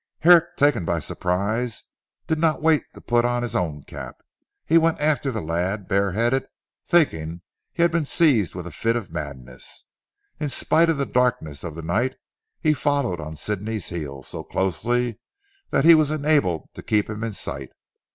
Herrick taken by surprise did not wait to put on his own cap. He went after the lad bare headed thinking he had been seized with a fit of madness. In spite of the darkness of the night he followed on Sidney's heels so closely that he was enabled to keep him in sight.